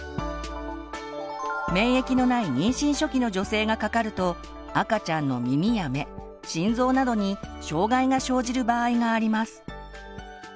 免疫のない妊娠初期の女性がかかると赤ちゃんの耳や目心臓などに障害が生じる場合があります。